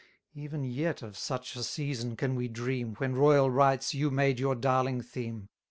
Even yet of such a season can we dream, When royal rights you made your darling theme.